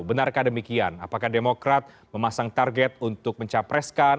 benarkah demikian apakah demokrat memasang target untuk mencapreskan